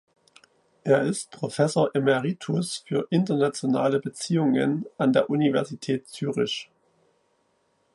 Er ist Professor emeritus für Internationale Beziehungen an der Universität Zürich.